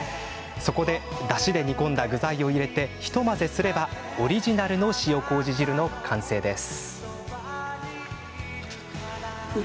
そこに、だしで煮込んだ具材を入れて一混ぜすればオリジナルの塩こうじ汁の完成です。